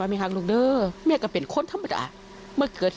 สิ่งสีขาดให้ชายแต่ลูกมันสีหายใหญ่เหรอ